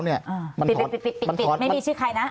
ปิดไม่มีชื่อใครนะ